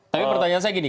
tapi pertanyaan saya gini